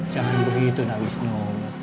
jangan begitu na wisnu